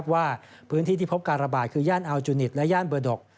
ว่าพื้นที่ที่พบการระบาดคือย่านอัลจูนิตและย่านเบอร์ดก